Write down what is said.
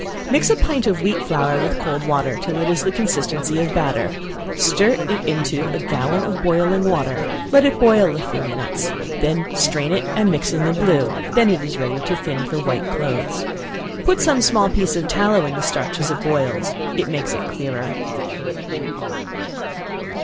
Mix a pint of wheat flour with cold water, till it is the consistence of batter, stir it into a gallon of boiling water, let it boil a few minutes, when strain it and mix in the blue when it is ready to thin for white clothes. Some put a small piece of tallow in the starch as it boils it makes it clearer.